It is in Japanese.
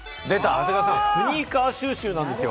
長谷川さん、スニーカー収集なんですよ。